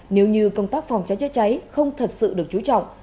nếu như công tác phòng cháy chữa cháy không thật sự được chú trọng